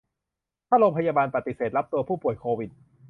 ถ้าโรงพยาบาลปฏิเสธการรับตัวผู้ป่วยโควิด